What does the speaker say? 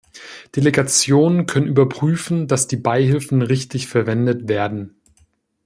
Delegationen können überprüfen, dass die Beihilfen richtig verwendet werden.